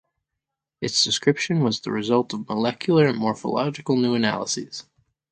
Its description was the result of molecular and morphological new analyses.